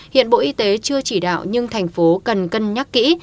hiện bộ y tế chưa chỉ đạo nhưng thành phố cần cân nhắc kỹ